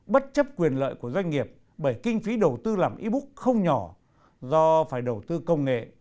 bất chấp quyền lợi của doanh nghiệp bởi kinh phí đầu tư làm ebook không nhỏ do phải đầu tư công nghệ